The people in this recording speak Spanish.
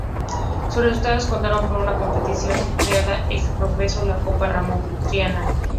Sus resultados contaron para una competición creada ex-profeso, la copa Ramón Triana.